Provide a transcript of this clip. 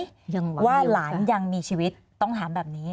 ยังหวังอยู่ค่ะว่าหลายังมีชีวิตต้องถามแบบนี้